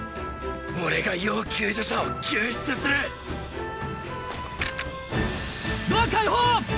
俺が要救助者を救出する！ドア開放！